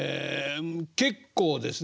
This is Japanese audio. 結構ですね